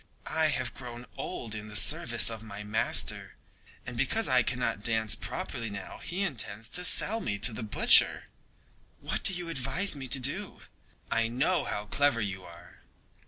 I have grown old in the service of my master, and because I cannot dance properly now he intends to sell me to the butcher. What do you advise me to do? I know how clever you are!"